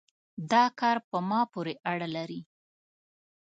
دا کار په ما پورې اړه لري